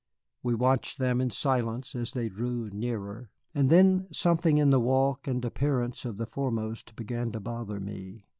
We watched them in silence as they drew nearer, and then something in the walk and appearance of the foremost began to bother me.